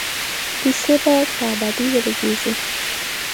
پیسې باید په ابادۍ ولګیږي.